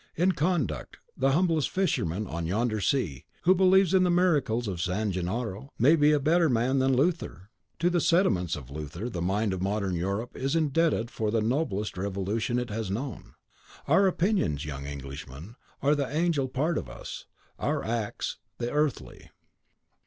In conduct, the humblest fisherman on yonder sea, who believes in the miracles of San Gennaro, may be a better man than Luther; to the sentiments of Luther the mind of modern Europe is indebted for the noblest revolution it has known. Our opinions, young Englishman, are the angel part of us; our acts, the earthly."